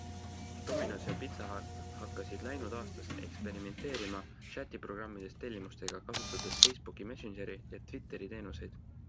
Domino's ja Pizza Hut hakkasid läinud aastast eksperimenteerima chatiprogrammides tellimustega, kasutades Facebook Messangeri ja Twiteri teenuseid.